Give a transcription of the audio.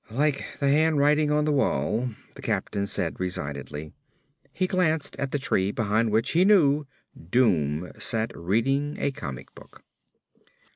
"Like the handwriting on the wall," the captain said resignedly. He glanced at the tree behind which, he knew, doom sat reading a comic book.